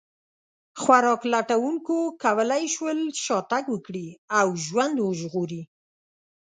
خوراک لټونکو کولی شول شا تګ وکړي او ژوند وژغوري.